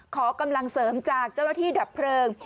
ขอกำลังเสริมจากเจ้าหน้าที่ดับเพลิง